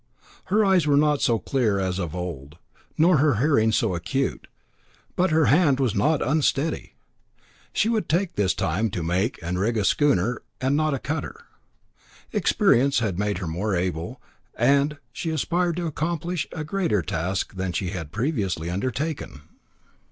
Her eyes were not so clear as of old, nor her hearing so acute, but her hand was not unsteady. She would this time make and rig a schooner and not a cutter. Experience had made her more able, and she aspired to accomplish a greater task than she had previously undertaken.